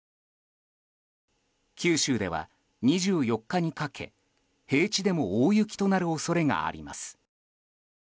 九州では２４日にかけ、平地でも大雪となる恐れがあります。